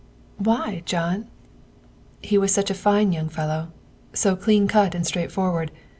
228 THE WIFE OF "Why, John?" " He was such a fine young fellow so clean cut and straightforward.